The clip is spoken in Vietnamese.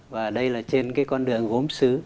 và đây là trên cái con đường gốm xứ